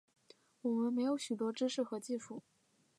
我们没有许多知识和技术